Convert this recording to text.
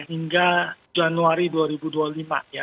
hingga januari dua ribu dua puluh lima ya